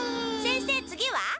先生次は？